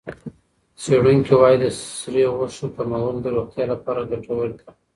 څېړونکي وايي د سرې غوښې کمول د روغتیا لپاره ګټور دي.